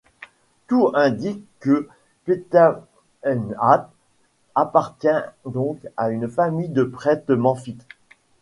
Tout indique que Ptahemhat appartient donc à une famille de prêtre memphite.